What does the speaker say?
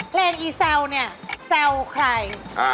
เพลงอีเซลเนี่ยเซลใคร